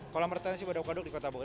kolam retensi waduk waduk di kota bogor